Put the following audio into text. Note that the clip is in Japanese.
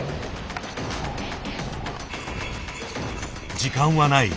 時間はない。